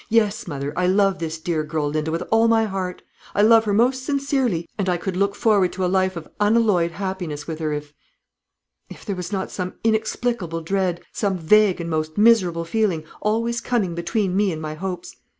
Yes, mother, I love this dear girl Linda with all my heart; I love her most sincerely; and I could look forward to a life of unalloyed happiness with her, if if there was not some inexplicable dread, some vague and most miserable feeling always coming between me and my hopes.